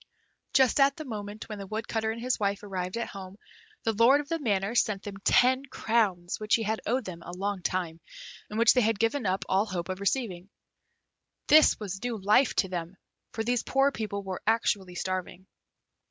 Just at the moment that the Woodcutter and his wife arrived at home, the lord of the manor sent them ten crowns which he had owed them a long time, and which they had given up all hope of receiving. This was new life to them, for these poor people were actually starving.